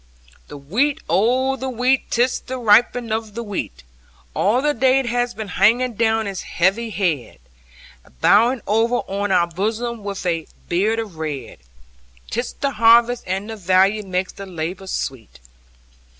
2 The wheat, oh the wheat, 'tis the ripening of the wheat! All the day it has been hanging down its heavy head, Bowing over on our bosoms with a beard of red: 'Tis the harvest, and the value makes the labour sweet.